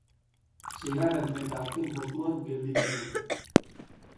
Seigarren eta azken postuan gelditu zen.